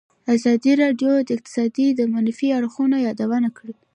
ازادي راډیو د اقتصاد د منفي اړخونو یادونه کړې.